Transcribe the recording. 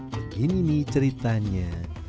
begini nih ceritanya